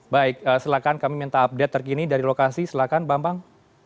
baik silakan kami minta update terkini dari lokasi silakan bambang